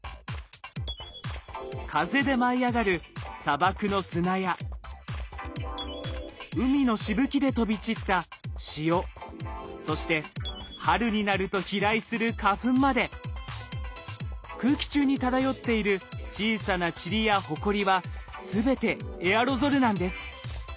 風で舞い上がる砂漠の砂や海のしぶきで飛び散った塩そして春になると飛来する花粉まで空気中に漂っている小さなチリやほこりは全てエアロゾルなんです。